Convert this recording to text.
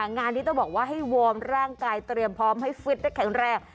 งานนี้ต้องบอกว่าให้วอร์มร่างกายเตรียมพร้อมให้ฟิตได้แข็งแรง